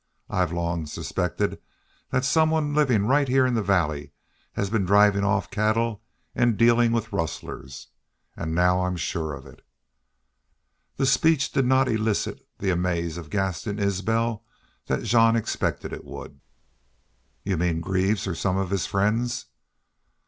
I've long suspected thet somebody livin' right heah in the valley has been drivin' off cattle an' dealin' with rustlers. An' now I'm shore of it." This speech did not elicit the amaze from Gaston Isbel that Jean expected it would. "You mean Greaves or some of his friends?"